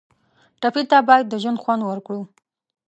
ټپي ته باید د ژوند خوند ورکړو.